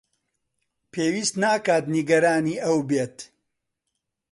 پێویست ناکات نیگەرانی ئەو بێت.